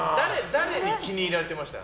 誰に気に入られてました？